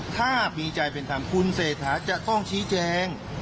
ถ้ามีใจเป็นธรรมคุณเศรษฐาจะต้องชี้แจง